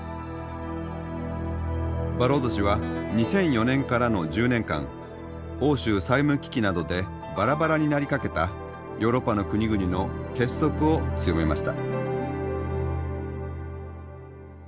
バローゾ氏は２００４年からの１０年間欧州債務危機などでバラバラになりかけたヨーロッパの国々の結束を強めました。